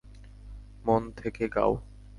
মন থেকে গাও!